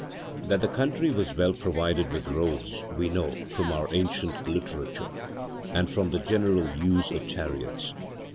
That the country was well provided with roads we know from our ancient literature, and from the general use of chariots.